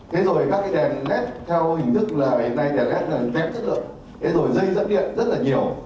thế rồi các cái đèn led theo hình thức là hiện nay đèn led là đẹp chất lượng